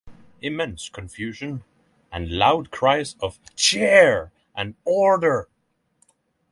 Immense confusion, and loud cries of “Chair,” and “Order.”